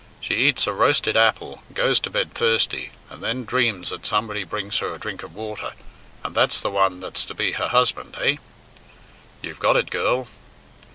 "She eats a roasted apple, and goes to bed thirsty, and then dreams that somebody brings her a drink of water, and that's the one that's to be her husband, eh?" "You've got it, girl."